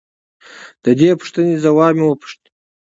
د دې پوښتنې ځواب مې وپوښت.